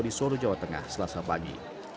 di sorujawa tengah selasa pagi